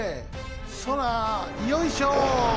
そらよいしょ！